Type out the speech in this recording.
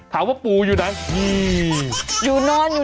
ถามว่าปูอยู่ไหนนี่